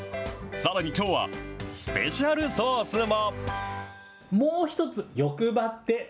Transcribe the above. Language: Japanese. さらにきょうはスペシャルソースも。